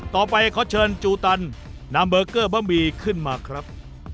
ต่อไปขอเชิญจูตันนำเบอร์เกอร์บะหมี่ขึ้นมาครับ